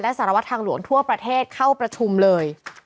สารวัตรทางหลวงทั่วประเทศเข้าประชุมเลย